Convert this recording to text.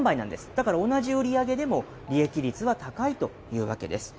だから同じ売り上げでも利益率が高いというわけです。